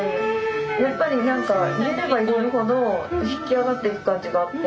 やっぱりなんか入れれば入れるほど引き上がってく感じがあって。